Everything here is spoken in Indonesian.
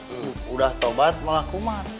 sudah tobat malah kumat